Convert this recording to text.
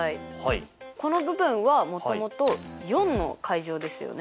この部分はもともと４！ですよね。